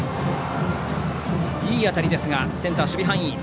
いい当たりでしたがセンター、守備範囲。